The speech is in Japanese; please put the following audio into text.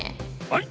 はい！